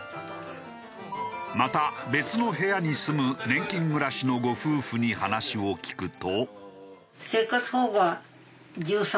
また別の部屋に住む年金暮らしのご夫婦に話を聞くと。